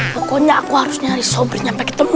pokoknya aku harus nyari sobrin sampai ketemu